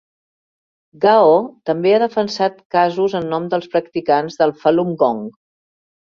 Gao també ha defensat casos en nom dels practicants del Falun Gong.